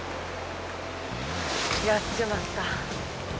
やっちまった。